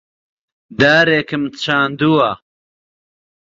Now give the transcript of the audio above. دارێکم چاندووە.